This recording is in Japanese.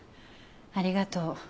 ありがとう。